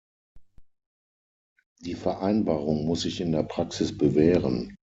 Die Vereinbarung muss sich in der Praxis bewähren.